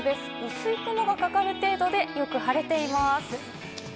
薄い雲がかかる程度でよく晴れています。